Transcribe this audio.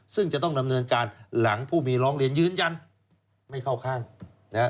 ซึ่งจะต้องดำเนินการหลังผู้มีร้องเรียนยืนยันไม่เข้าข้างนะฮะ